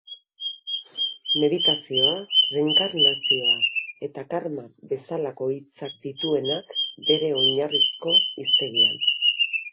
Meditazioa, reenkarnazioa eta karma bezalako hitzak dituenak bere oinarrizko hiztegian.